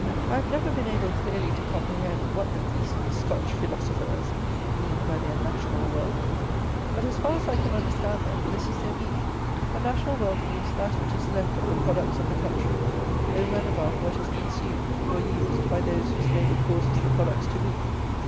I have never been able clearly to comprehend what the beastly Scotch feelosofers mean by their "national wealth;" but, as far as I can understand them, this is their meaning: that national wealth means that which is left of the products of the country over and above what is consumed, or used, by those whose labour causes the products to be.